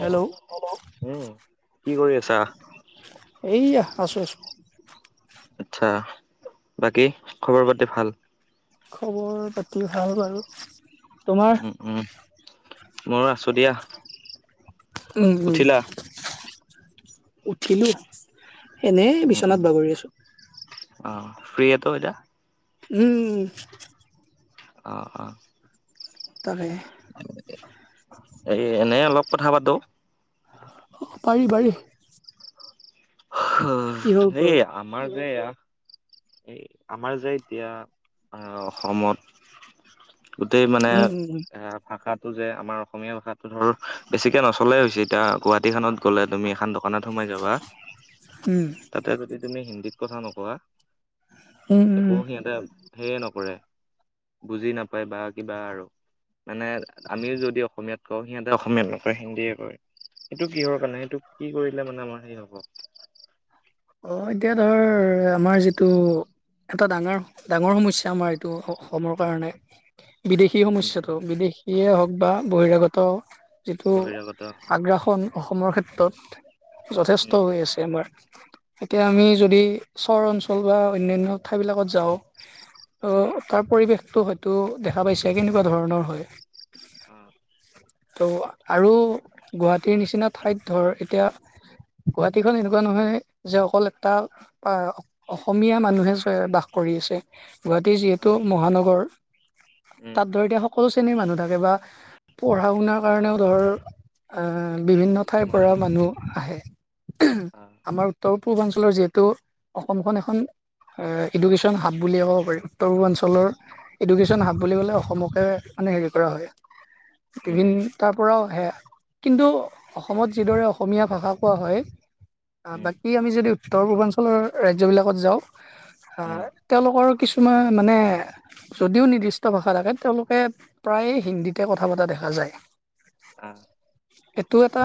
Hello উম কি কৰি আছা? এইয়া আছো আছো। আচ্ছা বাকী খবৰ পাতি ভাল। খবৰ পাতি ভাল বাৰু। তোমাৰ মই আছোঁ দিয়া। উম, উম। উঠিলা উঠিলো এনে উম বিচনাত বাগৰি আছো। ফ্ৰী এটো এটা উম। অ' অ' তাকে এ এনে অলপ কথা পাতো। অ' পাৰি, পাৰি। কিহৰ এই ওপৰত আমাৰ যে ইয়াৰ। এই আমাৰ যে এতিয়া আহ অসমত। গোটেই মানে উম উম এ ভাষাত। যে আমাৰ অসমীয়া ভাষাটো ধৰ বেছিকে নচলেই হৈছে এতিয়া। গুৱাহাটীখনত গ'লে তুমি এখন দোকানত সোমাই যাবা উম তাতে যদি। তুমি হিন্দীত কথা নকোৱা উম একো উম সিহঁতে হেয়ে নকৰে। বুজি নাপায় বা কিবা আৰু। মানে আমিও যদি অসমীয়াত কওঁ। সিহঁতে অসমীয়াত নকৰে হিন্দীয়ে কয়। এইটো কিহৰ কাৰণে এইটো কি কৰিলে মানে আমাৰ হেৰি হ'ব। অ' এতিয়া ধৰ আমাৰ যিটো। এটা ডাঙৰ, ডাঙৰ সমস্যা আমাৰ এইটো অসমৰ কাৰণে বিদেশী উম সমস্যাটো, বিদেশ ইয়ে হওক বা বহিৰাগত যিটো বহিৰাগত আগ্ৰাসন অসমৰ ক্ষেত্ৰত। উম যথেষ্ট হৈ আছে আমাৰ। এতিয়া অ আমি যদি চহৰ অঞ্চল বা অন্যান্য ঠাই বিলাকত যাওঁ অ, তাৰ পৰিৱেশটো হয়তো দেখা পাইছে কেনেকুৱা ধৰণৰ হয়। [inaudible] ত' আৰু গুৱাহাটীৰ নিচিনা ঠাইত ধৰ এতিয়া গুৱাহাটীখন এনেকুৱা নহয়। যে অকল এটা আহ অসমীয়া মানুহে বাস কৰি আছে। গুৱাহাটী অ যিহেতু অ', মহানগৰ উম তাত ধৰ এতিয়া সকলো ণীৰ মানুহ থাকে বা পঢ়া শুনাৰ কাৰণেও ধৰ বিভিন্ন ঠাইৰ পৰা মানুহ আহে, অ আমাৰ উত্তৰ পূৰ্বাঞ্চলৰ যিহেতু অসমখন এখন ইডুকেশ্যন হাব বুলিয়ে ক'ব পাৰি, উত্তৰ-পূৰ্বাঞ্চলৰ এডুকেশ্যন হাব বুলি ক'লে অসমকে মানে হেৰি কৰা হয়, উম বিভিন উম তাৰ পৰাও সেয়া কিন্তু অসমত যিদৰে অসমীয়া ভাষা কোৱা হয়, আহ ব উম যদি উত্তৰ-পূৰ্বাঞ্চলৰ ৰাজ্যবিলাকত যাওঁ হা, উম তেওঁলোকৰ কিছুমান মানে যদিও নিৰ্দিষ্ট ভাষা থাকে, তেওঁলোকে প্ৰায়ে হিন্দীতে কথা পতা দেখা যায়। অ এইটো এটা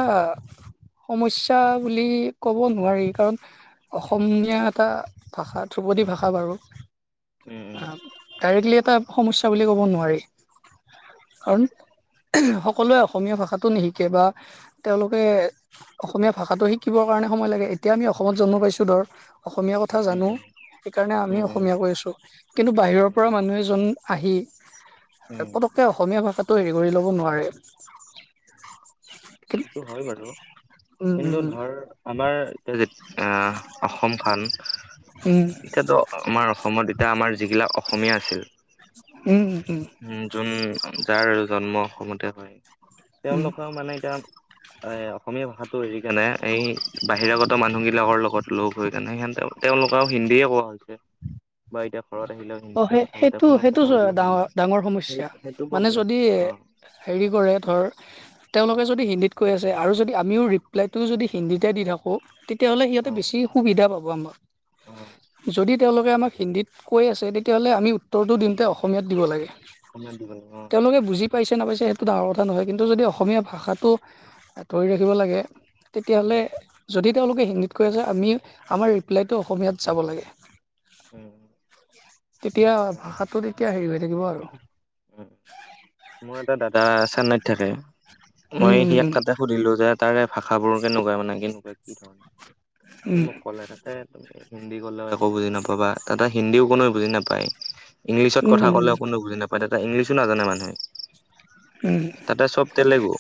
সমস্যা বুলি ক'ব নোৱাৰি। কাৰণ অসমীয়া এটা ভাষা ধ্ৰুপদী ভাষা বাৰু। উম উম ডাইৰেক্টলি এটা সমস্যা বুলি ক'ব নোৱাৰি। অন সকলোৱে অসমীয়া ভাষাটো নিশিকে বা তেওঁলোকে অসমীয়া ভাষাটো শিকিব কাৰণে সময় লাগে, এতিয়া আমি অসমত জন্ম পাইছোঁ ধৰ অসমীয়া কথা উম জানো সেইকাৰণে উম আমি উম উম অসমীয়া কৈ আছো, কিন্তু বাহিৰৰ উম পৰা মানুহ এজন আহি উম পটককে অসমীয়া ভাষাটো হেৰি কৰি ল'ব নোৱাৰে। সেইটো হয় বাৰু উম কিন্তু উম ধৰ আমাৰ অসমখন উম উম এতিয়াতো আমাৰ অসমত এতিয়া আমাৰ যিগিলাক অসমীয়া আছিল, উম উম উম যোন যাৰ জন্ম অসমতে হয়। উম তেওঁলোকৰ মানে এতিয়া অসমীয়া ভাষাটো হেৰিকাৰণে এই বাহিৰাগত মানুহবিলাকৰ লগত লগ হৈ কেনে [unintelligible] থকা হিন্দিয়ে কোৱা হৈছে বা এইতাক ঘৰত আহিলেও অ হিন্দীতে সেই কথা পাতে, সেইটো ফোনত সেইটো কথা পাতিলেও ডাঙৰ ডাঙৰ সমস্যা সেইটো মানে প্ৰব্লেম, যদি অ। হেৰি কৰে ধৰ তেওঁলোকে যদি হিন্দী কৈ আছে আৰু যদি আমিও ৰিপ্লাইটোও যদি হিন্দীতে দি থাকোঁ তেতিয়াহ'লে অ সিহঁতে বেছি সুবিধা পাব আমাক, অ যদি তেওঁলোকে আমাক হিন্দীত কৈ আছে তে তেতিয়াহ'লে আমি উত্তৰটো দিওঁতে অসমীয়াত দিব লাগে। অসমীয়াত দিব লাগে, অ। তেওঁলোকে বুজি পাইছে নাপাইছে সেইটো ডাঙৰ কথা নহয়, কিন্তু যদি অ', অসমীয়া ভাষাটো ধৰি ৰাখিব লাগে উম তেতিয়াহ'লে যদি তেওঁলোকে হিন্দীত কৈ আছে আমি আমাৰ ৰিপ্লাইটো অসমীয়াত যাব লাগে। উম। তেতিয়া ভাষাটো তেতিয়া হেৰি হৈ থাকিব আৰু। উম মোৰ এটা দাদা চেন্নাইত থাকে, উম মই সিয়াক উম তাতে সুধিলো যে তাৰে ভাষা বোৰ কেনেকুৱা মানে কিনু কয় কি ধৰণৰ, সি উম মোক ক'লে তাতে তুমি হিন্দী কলেও একো বুজি নাপাবা, তাতে হিন্দীও কোনেও বুজি নাপায়। ইংলিছত উম উম উম উম কথা কলেও কোনে বুজি নাপায়, তাতে ইংলিছো নাজানে মানুহ। তাতে চব তেলেগু।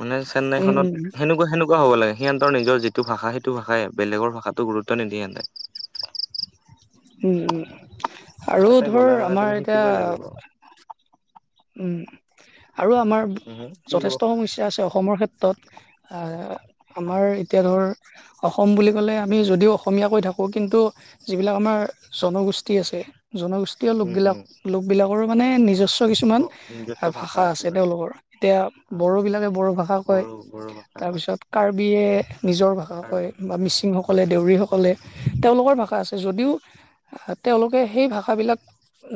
মানে উম উম চেন্নাইখনত, সেনেকুৱা-সেনেকুৱা কোৱা হ'ব লাগে। সিহঁতৰ নিৰ যটো ভাষা সেইটো ভাষাই, বেলেগৰ ভাষাতো গুৰুব নিদিয়ে সেহঁতে। [inaudible] উম উম আৰু গ'লে ধৰ মানে তুমি আমাৰ শিকিবই লাগিব এতিয়া আৰু আমাৰ উম কি ক'ব যথেষ্ট সমস্যা আছে অসমৰ ক্ষেত্ৰত। আমাৰ এতিয়া ধৰ অসম বুলি ক'লে আমি যদিও অসমীয়া কৈ থাকো। কিন্তু যিবিলাক আমাৰ জনগোষ্ঠী আছে জনগোষ্ঠীয় লোক উম বিলাক উম লোকবিলাকৰো মানে নিজস্ব কিছুমান ভাষা আছে তেওঁলোকৰ, এতিয়া অ', বড়োবিলাকে বড়ো ভাষা কয়, বড়ো বড়ো ভাষা হয় তাৰপিছত কাৰ্বিয়ে নিজৰ ভাষা আৰু কয় বা মিচিংসকলে, দেউৰীসকলে, তেওঁলোকৰ ভাষা আছে। যদিও তেওঁলোকে সেই ভাষাবিলাক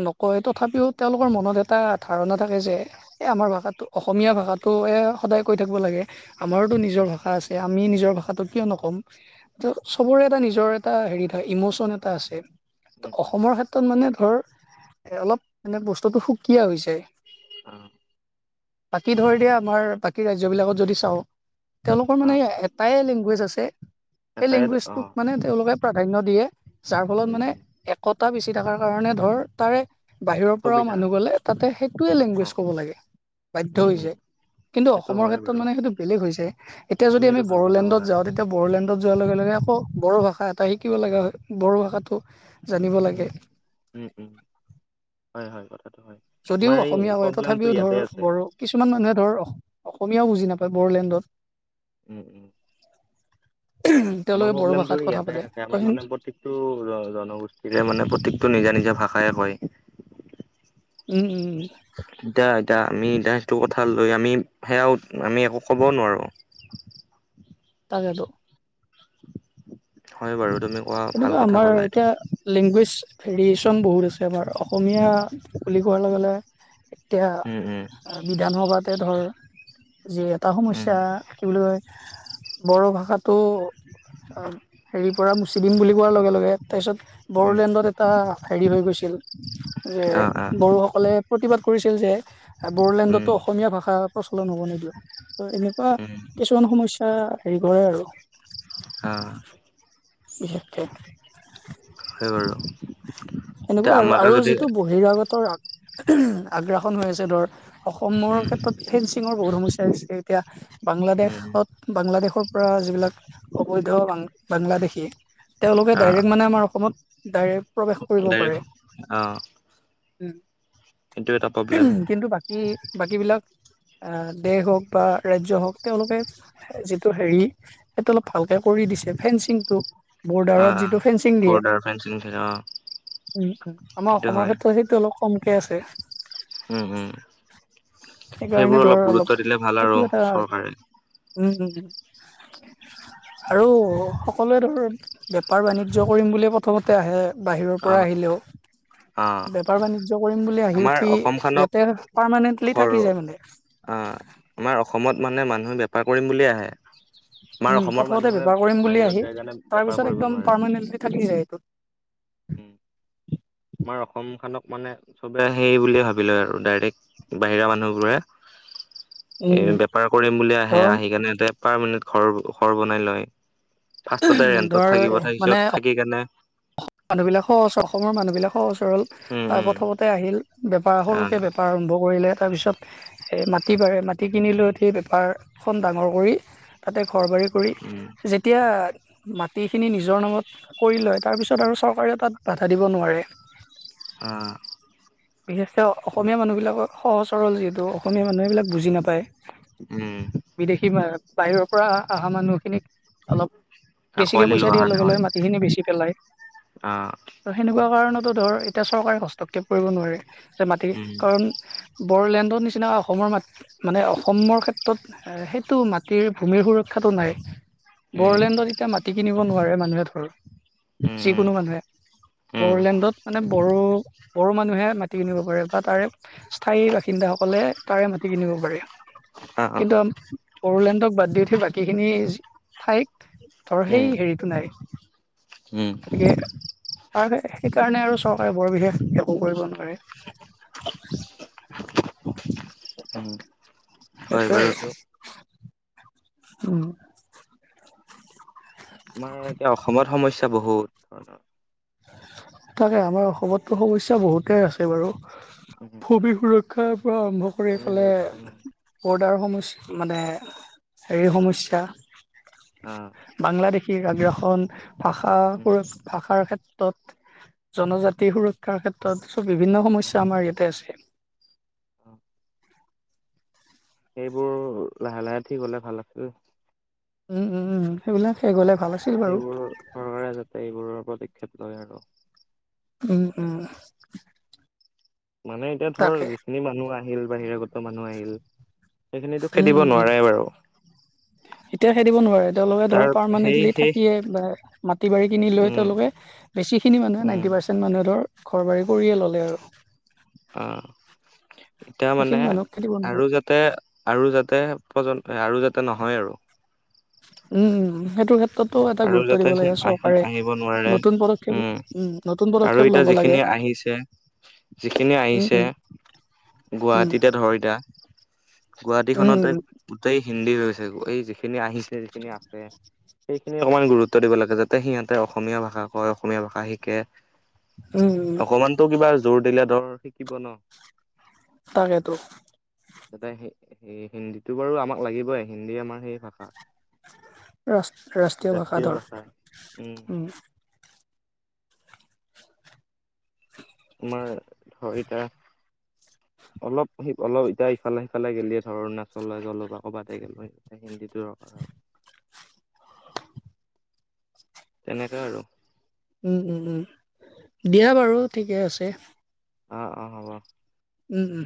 নকয়, তথাপিও তেওঁলোকৰ মনত এটা ধাৰণা থাকে যে, এই আমাৰ ভাষাটো, অসমীয়া ভাষাটো সদায় কৈ থাকিব লাগে। আমাৰোতো নিজৰ ভাষা আছে, আমি নিজৰ ভাষাতটো কিয় নক'ম, চবৰে এটা নিজৰ এটা হেৰি ইম'চন এটা আছে। ত উম উম অসমৰ ক্ষেত্ৰত মানে ধৰ এ অলপ মানে বস্তুতটো সুকীয়া হৈছে। অ। বাকী ধৰ দিয়া আমাৰ বাকী ৰাজ্যবিলাকত যদি চাওঁ। তেওঁলোকৰ অ মানে এটাই লেংগুৱেজ আছে, সেই এটাই অ লেংগুৱেজটোক মানে তেওঁলোকে প্ৰাধান্য দিয়ে। যাৰ ফলত উম মানে উম একতা বেছি থকাৰ কাৰণে ধৰ তাৰে বাহিৰৰ পৰাও সুবিধা মানুহ গ'লে তাতে সেইটোৱে অ লেংগুৱেজ ক'ব লাগে। বাধ্য উম হৈ উম যায়। কিন্তু সেইটো অসমৰ হয় ক্ষেত্ৰত বাৰু মানে সেইটো বেলেগ হৈ যায়। এতিয়া তুমি যদি আমি এইটো ভাল কথা ক'লা বড়োলেণ্ডত যাওঁ তেতিয়া বড়োলেণ্ড যোৱাৰ লগে লগে আকৌ বড় ভাষা এটা শিকিব লগা হয়। বড়ো ভাষাটো জানিব উম লাগে। উম উম হয় হয় বাৰু যদিও অসমীয়া হয়, তথাপিও ধৰ ইয়াতে আছে বড়, কিছুমান মানুহে ধৰ অসমীয়াও বুজি নাপায়। হয় বড়োলেণ্ডত। উম উম। আমাৰ তেওঁলোকে বড়ো প্ৰব্লেমটো ভাষাত কথা ইয়াতে পাতে আছে, ত আমাৰ মানে প্ৰত্যেকটো জনগোষ্ঠীৰে মানে প্ৰতেক তো নিজা নিজা ভাষাই কয়। উম উম। এতিয়া এতিয়া আমি এতিয়া সেইটো কথা লৈ আমি সেয়াও আমি একো ক'ব নোৱাৰো। তাকেটো। হয় বাৰু। তুমি কোৱা ভাল তেনেকুৱা কথা আমাৰ ক'লা এইটো এতিয়া লেংগুৱেজ ভেৰিয়েচন বহুত আছে আমাৰ অসমীয়া বুলি কোৱাৰ লগে লগে উম উম এতিয়া বিধানসভাতে ধৰ যি এটা সমস্যা কি বুলি কয় বড়ো ভাষাটো অ হেৰিৰ পৰা মুচি দিম বুলি কোৱাৰ লগে লগে তাৰপিছত উম উম বড়োলেণ্ডত এটা হেৰি হৈ গৈছিল। যে অ অ বড়োসকলে প্ৰতিবাদ কৰিছিল যে, উম বড়োলেণ্ডতো অসমীয়া ভাষা প্ৰচলন হ'ব নিদিয়ও। ত এনেকুৱা উম কিছুমান সমস্যা হেৰি কৰে আৰু। অ [unintelligible] [unintelligible] এতিয়া সেনেকুৱাই আৰু, আমাকে আৰু যদি যিটো বহিৰাগতৰ আগ- আগ্ৰাসন হৈ আছে ধৰ, অসমৰ উম ক্ষেত্ৰত ফেঞ্চিংৰ বহুত সমস্যা হৈছে এতিয়া। উম বাংলাদেশত-বাংলাদেশৰ পৰা যিবিলাক অবৈধ বা বাংলাদেশী তেওঁলোকে অ ডাইৰেক্ট মানে আমাৰ অসমত ডাইৰেক প্ৰৱেশ কৰিব পাৰে। ডাইৰেক্ট অ সেইটো এটা প্ৰব্লেম উম কিন্তু বাকী-বাকী বিলাক আহ দেশ হওক বা ৰাজ্য হওক, তেওঁলোকে যিটো হেৰি সেইটো অলপ ভালকে কৰি দিছে। ফেঞ্চিংটো অ বৰ্ডাৰত অ যিটো ফেঞ্চিং দিয়ে। বৰ্ডাৰ ফেঞ্চিং থাকে অ উম, উম, আমাৰ সেইটো অসমৰ হয় ক্ষেত্ৰত সেইটো অলপ কমকে আছে। উম উম সেইকাৰণে সেইবোৰ ধৰ গুৰুত্ব অলপ দিলে ভাল আৰু সেইটো এটা। চৰকাৰে উম, উম, আৰু সকলোৱে ধৰ বেপাৰ বাণিজ্য কৰি বুলি প্ৰথমতে আহে বাহিৰৰ পৰা আহ আহিলেও। আহ বেপাৰ বাণিজ্য কৰিম বুলি আহি আমাৰ উঠি অসমখনক ইয়াতে আৰু পাৰমানেন্টলি থাকি যায় মানে। আ আমাৰ অসমত মানে মানুহে বেপাৰ কৰিম বুলি আহে। আমাৰ উম, অসমৰ প্ৰথমতে মানুহে বেপাৰ কৰিম বুলি বাহিৰত আহি যাই কাৰণে তাৰ বেপাৰ পিছত কৰিব একদম নোৱাৰে পাৰমানেন্টলি থাকি যায় একদম। উম। আমাৰ অসমখনক মানে চবে সেই বুলিয়ে ভাবি লয় আৰু ডাইৰেক্ট বাহিৰা মানুহবোৰে। এ উম, বেপাৰ কৰিম বুলি আহে ধৰ আহি কাৰনে এতে পাৰমাণেণ্ট ঘৰ বনাই লয়। ফাৰ্ষ্টতে ৰেণ্টত থাকিব তাৰপিছত থাকি কেনে মানুহ বিলাক সহজ সৰল, অসমৰ মানুহবিলাক সহচ সৰল উম তাৰ উম প্ৰথমতে আহিল। বেপাৰ সৰুকে আহ বেপাৰ আৰম্ভ কৰিলে। তাৰপিছত এই মাটি পাৰে মাটি কিনি লৈ উঠি বেপাৰখন ডাঙৰ কৰি তাতে ঘৰ বাৰী কৰি উম যেতিয়া মাটিখিনি নিজৰ নামত কৰি লয় তাৰপিছত আৰু চৰকাৰেও তাত বাধা দিব নোৱাৰে। আহ বিশেষক অসমীয়া মানুহ বিলাকক সহজ সৰল যিহেতু, অসমীয়া মানুহ এইবিলাক বুজি নাপায়। তাকে। বিদেশী বাহিৰৰ পৰা অহা মানুহখিনিক অলপ বেছিকে আঁকোৱালি পইচা লোৱা দিয়া কাৰণে লগে হয় লগে মাটিখিনি বেছি পেলাই। আহ ত সেনেকুৱা কাৰণতো ধৰ এতিয়া চৰকাৰে হস্তক্ষেপ কৰিব নোৱাৰে। মাটি উম কাৰণ বৰলেণ্ড [inaudible] নিচিনা অসমৰ মাট মানে অসমৰ ক্ষেত্ৰত এ -সেইটো মাটিৰ ভূমিৰ সুৰক্ষাটো নাই। উম বৰোলেণ্ডত এতিয়া মাটি কিনিব নোৱাৰে মানুহে ধৰ উম যিকোনো মানুহে। উম বড়োলেণ্ডত মানে বড়ো, বড়ো মানুহে মাটি কিনিব পাৰে বা তাৰে স্থায়ী বাসিন্দাসকলে তাৰে মাটি কিনিব পাৰে, অ অ কিন্তু বড়োলেণ্ডক বাদ দি উঠি বাকীখিনি ঠাইক ধৰ সেই উম হেৰিটো নাই। উম। আৰু সেই-সেইকাৰণে আৰু চৰকাৰে বৰ বিশেষ একো কৰিব নোৱাৰে। উম হয় সেইটোৱে বাৰু আৰু এইটো উম। আমাৰ এতিয়া অসমত সমস্যা বহুত [inaudible] তাকে আমাৰ অসমততো সমস্যা বহুতেই আছে বাৰু উম ভূমি সুৰক্ষা পৰা আৰম্ভ কৰি ভূমি এইফালে সুৰক্ষা নাই [unintelligible] [unintelligible] সমস্যা মানে হেৰি সমস্যা অ বাংলাদেশী [unintelligible] আজি অসম ভাষা উম উম সুৰ-ভাষাৰ ক্ষেত [unintelligible] জনজাতি সুৰক্ষাৰ ক্ষেত্ৰত চব বিভিন্ন অ সমস্যা আমাৰ ইয়াতে আছে। [inaudible] সেইবোৰ লাহে লাহে ঠিক হ'লে ভাল আছিল। উম, উম, উম সেইবিলাক শেষ হ'লে। ভাল আছিল বাৰু সেইবোৰৰ চৰকাৰে যাতে এইবোৰৰ পদক্ষেপ লয় আৰু। উম, উম। মানে এতিয়া ধৰ তাকে যিখিনি মানুহ আহিল, বাহিৰাগত মানুহ আহিল। সেইখিনিতো উম খেদিব উম উম নোৱাৰে বাৰু। এতিয়া খেদিব নোৱাৰে তেওঁলোকে তাৰ ধৰ সেই পাৰমানেন্টলি সেই থাকিয়ে বা খেতি বাৰী কিনি লৈ উম তেওঁলোকে বেছিখিনি মানুহে উম নাইণ্টি পাৰ্চেণ্ট মানুহে ধৰ ঘৰ বাৰী কৰিয়ে ল'লে আৰু। অ'। এতিয়া মানে সেইখিনি মানুহক খেদিব নোৱাৰে আৰু যাতে আৰু যাত তাতে [unintelligible] আৰু যাতে নহয় আৰু। উম, সেইটো তাতো এটা আৰু গুৰুত্ব যাতে দিব সোম লাগে আহি চৰকাৰে আহিব নোৱাৰে নতুন পদক্ষেপ উম, নতুন আৰু পদক্ষেপ এতিয়া ল'ব যিখিনি লাগে। আহিছে, যিখিনি উম আহিছে, উম উম গুৱাহাটীতে ধৰ এতিয়া। উম গুৱাহাটীখনতে গোটেই হিন্দী হৈছে, এই যিখিনি আহিছে, যিখিনি আছে। সেইখিনি অকণমান গুৰুত্ব দিব লাগে যাতে সিহঁতে অসমীয়া ভাষা কয়, অসমীয়া ভাষা শিকে। উম উম উম অকমানতটো কিবা জোৰ দিলে ধৰ শিকিব ন। তাকেতো। তাতে হি-হিন্দীটো বাৰু আমাক লাগিবই, হিন্দী আমাৰ সেই ভাষা। ৰাচ-ৰাষ্ট্ৰীয় ভাষা ধৰ, উম উ। তোমাৰ ধৰিতা। অলপ সেই অলপ এতিয়া ইফালে সিফালে গেলিয়ে ধৰ অৰুণাচল গলো বা ক'বাতে গলো হয় হিন্দীটো দৰকাৰ হয়। [inaudible] তেনেকে আৰু উ, উ, উ। দিয়া বাৰু ঠিকে আছে। অ', অ', হ'ব। উ, উ।